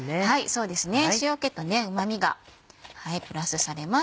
そうですね塩気とうま味がプラスされます。